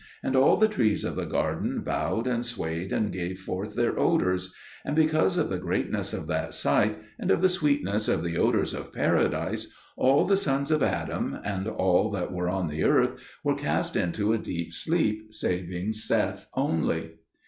And all the trees of the garden bowed and swayed and gave forth their odours. And because of the greatness of that sight, and of the sweetness of the odours of Paradise, all the sons of Adam, and all that were on the earth, were cast into a deep sleep, saving Seth only.